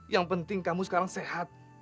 yang penting kamu sekarang sehat